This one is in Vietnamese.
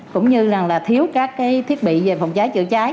cũng như là thiếu các thiết bị về phòng cháy chữa cháy